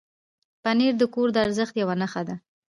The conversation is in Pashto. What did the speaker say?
پنېر د کور د ارزښت یو نښه ده.